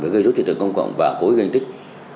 với gây rút trị tử công cộng và cố gây gây hình tích